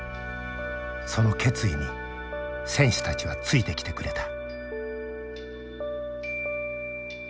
その決意に選手たちはついてきてくれた。